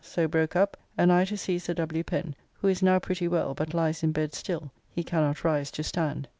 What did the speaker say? So broke up, and I to see Sir W. Pen, who is now pretty well, but lies in bed still; he cannot rise to stand.